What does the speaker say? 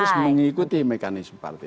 harus mengikuti mekanisme partai